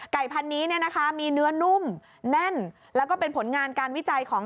ไก่พันธุ์นี้มีเนื้อนุ่มแน่นแล้วก็เป็นผลงานการวิจัยของ